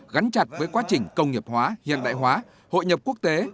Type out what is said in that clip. gắn chặt với quá trình công nghiệp hóa hiện đại hóa hội nhập quốc tế